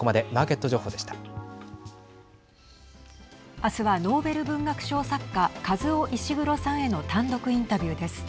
明日はノーベル文学賞作家カズオ・イシグロさんへの単独インタビューです。